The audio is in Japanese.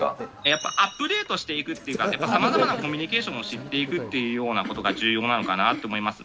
やっぱアップデートしていくというか、さまざまなコミュニケーションを知っていくっていうようなことが重要なのかなと思います。